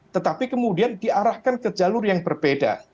tetapi kemudian diarahkan ke jalur yang berbeda